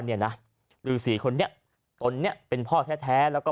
นี่นะรือสีมาตนนี้เป็นพ่อแท้แล้วก็